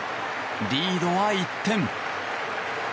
リードは１点。